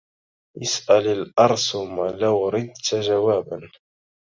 إسأل الأرسم لو ردت جوابا